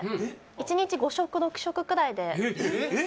１日５食６食くらいでえっ！？